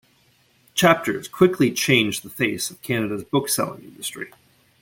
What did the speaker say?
Chapters quickly changed the face of Canada's book selling industry.